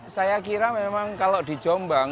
saya kira memang kalau di jombang